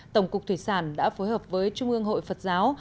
tổng cục thủy sản đã phối hợp với trung ương hội phật giáo